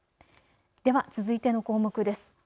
では、続いての項目です。